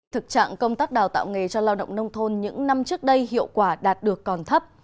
thực trạng công tác đào tạo nghề cho lao động nông thôn những năm trước đây hiệu quả đạt được còn thấp